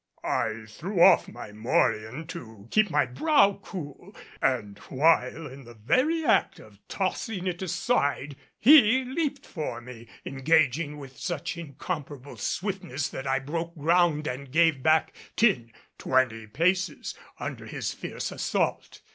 I threw off my morion to keep my brow cool. And while in the very act of tossing it aside he leaped for me, engaging with such incomparable swiftness that I broke ground and gave back ten twenty paces under his fierce assault.